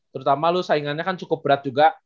terutama lu saingannya kan cukup berat juga